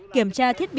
kiểm tra thiết bị